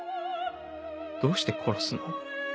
どうして殺すの？